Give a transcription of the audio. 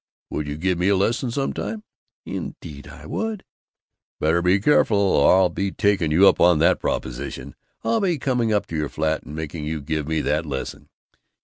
"Would you give me a lesson some time?" "Indeed I would." "Better be careful, or I'll be taking you up on that proposition. I'll be coming up to your flat and making you give me that lesson."